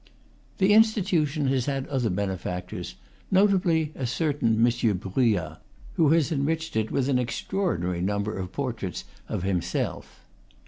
The institution has had other benefactors, notably a certain M. Bruyas, who has enriched it with an extra ordinary number of portraits of himself.